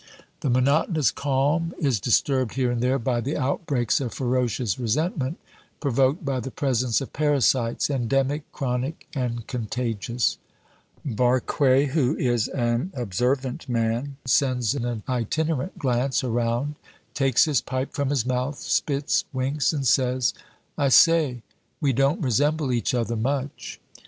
The monotonous calm is disturbed here and there by the outbreaks of ferocious resentment provoked by the presence of parasites endemic, chronic, and contagious. Barque, who is an observant man, sends an itinerant glance around, takes his pipe from his mouth, spits, winks, and says "I say, we don't resemble each other much."